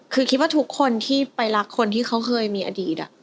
คือคิดว่าทุกคนที่ไปรักคนที่เขาเคยมีอดีต